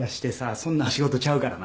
そんなん仕事ちゃうからな。